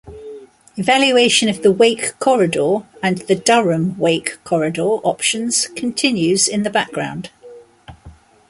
Evaluation of the Wake Corridor and the Durham-Wake Corridor options continues in the background.